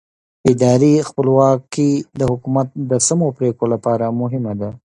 اداري خپلواکي د حکومت د سمو پرېکړو لپاره مهمه ده